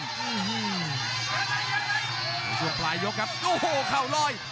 ช่วงปลายยกครับโอ้โหเข่าลอย